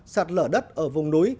sạt lở đất ở vùng núi